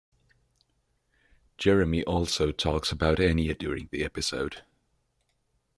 Jeremy also talks about Enya during the episode.